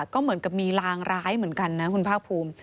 ก็เหมือนกับมีลางร้ายเหมือนกันนะคุณภาคภูมิ